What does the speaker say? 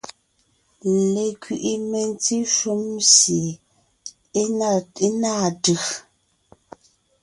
Lekẅiʼi mentí shúm sie é náa tʉ̀.